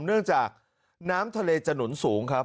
เนื่องจากน้ำทะเลจะหนุนสูงครับ